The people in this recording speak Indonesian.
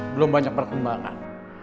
belum banyak perkembangan